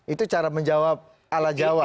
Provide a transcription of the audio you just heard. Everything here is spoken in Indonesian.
itu cara menjawab ala jawa